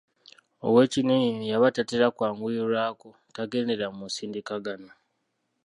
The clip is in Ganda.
Owekinnini y’aba tatera kwanguyirwako, tagendera mu nsindikagano.